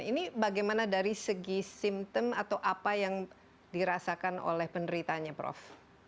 ini bagaimana dari segi simptom atau apa yang dirasakan oleh penderitanya prof